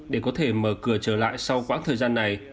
để có thể mở cửa trở lại sau quãng thời gian này